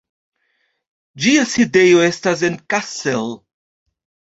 Ĝia sidejo estas en Kassel.